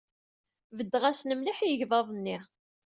Beddeɣ-asen mliḥ i yegḍaḍ-nni.